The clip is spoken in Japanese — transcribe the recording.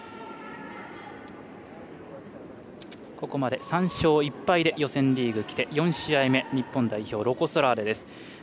ここまで３勝１敗で予選リーグきて４試合目、日本代表ロコ・ソラーレです。